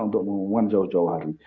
untuk mengumumkan jauh jauh hari